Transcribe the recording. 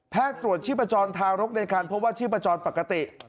แพทย์ตรวจชิปจรทางรกในครรภ์พบว่าชิปจรปกติ